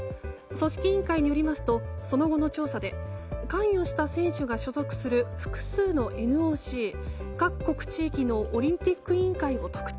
組織委員会によりますとその後の調査で関与した選手が所属する複数のＮＯＣ、各国・地域のオリンピック委員会を特定。